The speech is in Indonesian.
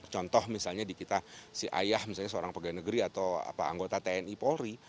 contoh misalnya di kita si ayah misalnya seorang pegawai negeri atau anggota tni polri